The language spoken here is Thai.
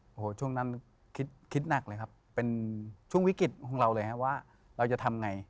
โอ้โหช่วงนั้นคิดหนักเลยครับเป็นช่วงวิกฤตของเราเลยฮะว่าเราจะทำไง